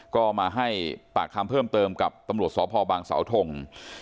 ก็มาให้ปากคำเพิ่มเติมกับตำรวจสพบางสาวทง